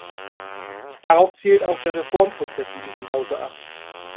Darauf zielt auch der Reformprozess in diesem Hause ab.